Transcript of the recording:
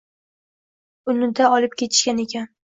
Unida olib ketishgan ekan!..